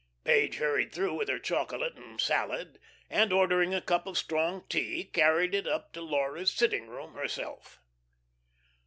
Page hurried through with her chocolate and salad, and ordering a cup of strong tea, carried it up to Laura's "sitting room" herself.